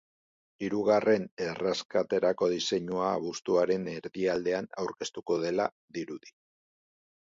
Hirugarren erreskaterako diseinua abuztuaren erdialdean aurkeztuko dela dirudi.